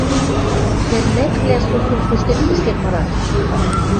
Пӹрнӹквлӓ сусун куштен-куштен мырат.